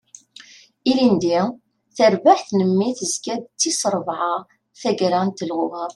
Ilindi, tarbaɛt n mmi tezga-d d tis rebɛa taggara n telɣuɣa.